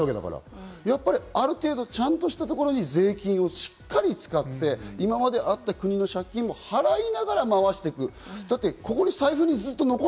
お金を出さないわけだから、やっぱりある程度ちゃんとしたところに税金をしっかり使って、今まであった国の借金も払いながらまわしていく。